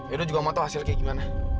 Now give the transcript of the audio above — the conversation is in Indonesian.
edo juga mau tau hasilnya kayak gimana